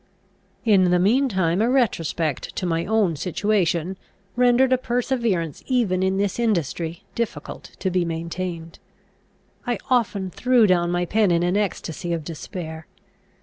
In the mean time a retrospect to my own situation rendered a perseverance even in this industry difficult to be maintained. I often threw down my pen in an ecstasy of despair.